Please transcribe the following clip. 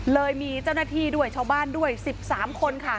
เลยมีเจ้าหน้าที่ด้วยชาวบ้านด้วย๑๓คนค่ะ